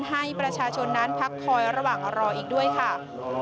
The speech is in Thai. ให้ประชาชนนั้นพักคอยระหว่างรออีกด้วยค่ะ